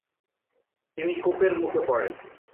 তিনি কোপের মুখে পড়েন।